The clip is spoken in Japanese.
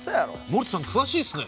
森田さん詳しいっすね。